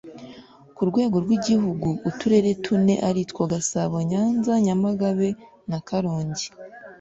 Ku rwego rw Igihugu Uturere tune aritwo Gasabo Nyanza Nyamagabe na Karongi